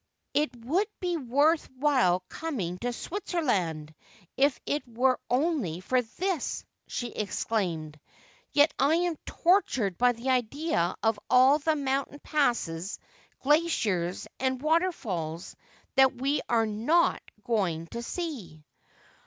' It would be worth while coming to Switzerland if it were only for this,' she exclaimed ;' yet I am tortured by the idea of all the mountain passes, glaciers, and waterfalls that we are not going to see.